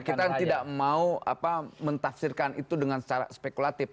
kita tidak mau mentafsirkan itu dengan secara spekulatif